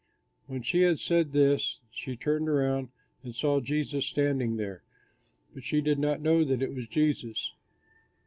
When she had said this, she turned around and saw Jesus standing there, but she did not know that it was Jesus.